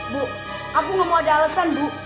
bu aku gak mau ada alasan bu